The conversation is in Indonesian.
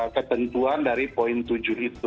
ketentuan dari poin tujuh itu